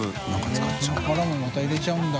未また入れちゃうんだ。